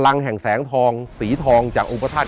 แห่งแสงทองสีทองจากองค์พระธาตุ